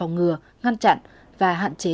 ngừa ngăn chặn và hạn chế